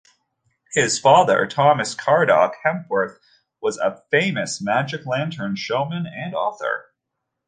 His father, Thomas Cradock Hepworth, was a famous magic lantern showman and author.